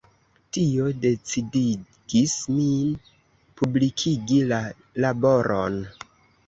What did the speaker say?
Tio decidigis min publikigi la laboron.